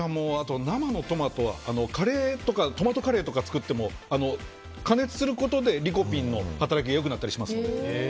生のトマトはトマトカレーとか作っても、加熱することでリコピンの働きが良くなったりします。